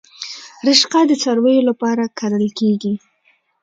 رشقه د څارویو لپاره کرل کیږي